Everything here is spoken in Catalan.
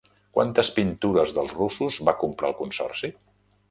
Quantes pintures dels russos va comprar el consorci?